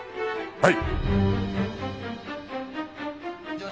はい！